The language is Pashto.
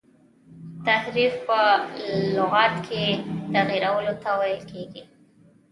تحریف په لغت کي تغیرولو ته ویل کیږي.